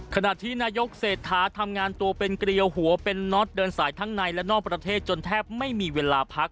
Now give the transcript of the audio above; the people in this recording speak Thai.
ขณะที่นายกเศรษฐาทำงานตัวเป็นเกลียวหัวเป็นน็อตเดินสายทั้งในและนอกประเทศจนแทบไม่มีเวลาพัก